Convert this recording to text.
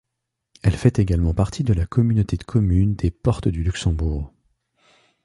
Elle fait également partie de la communauté de communes des Portes du Luxembourg.